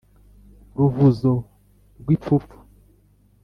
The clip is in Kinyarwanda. ruvuzo rw’ipfupfu